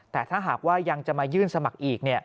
แต่ถ้าหากว่ายังจะมายื่นสมัครอีก